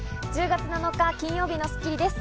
１０月７日、金曜日の『スッキリ』です。